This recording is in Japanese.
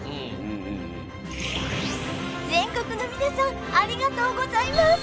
全国のみなさんありがとうございます！